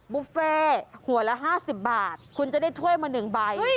บุฟเฟ่หัวละ๕๐บาทคุณจะได้ถ้วยมา๑ใบ